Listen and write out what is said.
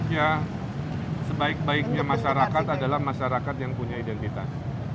ya sebaik baiknya masyarakat adalah masyarakat yang punya identitas